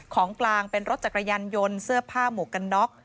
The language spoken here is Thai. ของกลางเป็นรถจักรยานยนต์เสื้อผ้าหมวกกันน็อก